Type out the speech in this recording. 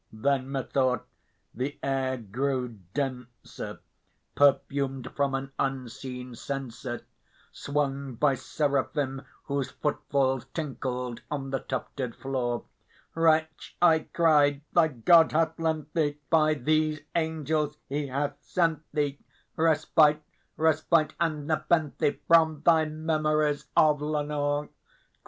Then methought the air grew denser, perfumed from an unseen censer Swung by Seraphim whose footfalls tinkled on the tufted floor. "Wretch," I cried, "thy God hath lent thee by these angels he hath sent thee Respite respite and nepenthe, from thy memories of Lenore!